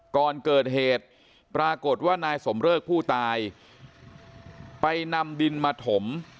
ก่อนเกิดเหตุปรากฏว่านายสมเริกผู้ตายไปนำดินมาถม